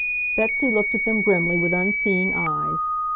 Betsy looked at them grimly with unseeing eyes.